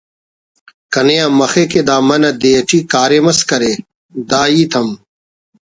کنے آ مخے کہ دا منہ دے ئی ءُ کاریم اس کرے دا ہیت ہم